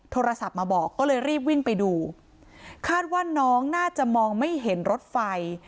โทรศัพท์มาบอกก็เลยรีบวิ่งไปดูคาดว่าน้องน่าจะมองไม่เห็นรถไฟ